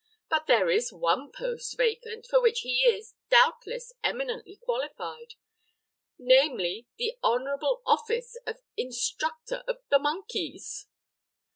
But there is one post vacant, for which he is, doubtless, eminently qualified, namely, the honorable office of Instructor of the Monkeys."